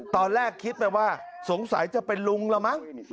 ตอนแรกคิดไปว่าสงสัยจะเป็นลุงละมั้ง